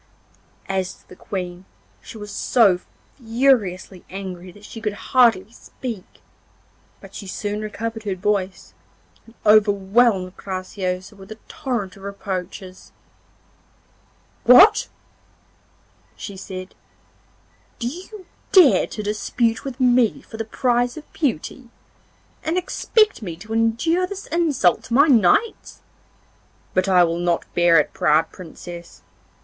As to the Queen, she was so furiously angry that she could hardly speak; but she soon recovered her voice, and overwhelmed Graciosa with a torrent of reproaches. 'What!' she said, 'do you dare to dispute with me for the prize of beauty, and expect me to endure this insult to my knights? But I will not bear it, proud Princess.